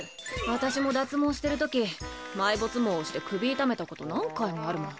私も脱毛してるとき埋没毛をして首痛めたこと何回もあるもん。